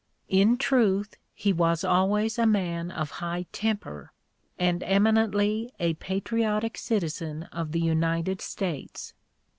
In truth, he was always a man of high temper, and eminently a patriotic citizen of the United States.